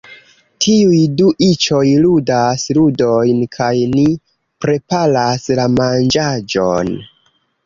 Tiuj du iĉoj ludas ludojn kaj ni preparas la manĝaĵon